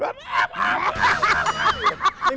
แบบแบบแบบแบบแบบ